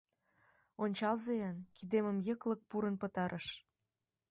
— Ончалза-ян, кидемым йыклык пурын пытарыш.